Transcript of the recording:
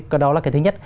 cái đó là cái thứ nhất